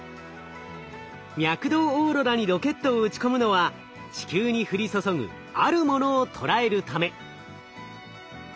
脈動オーロラにロケットを打ち込むのは地球に降り注ぐあるものをとらえるため。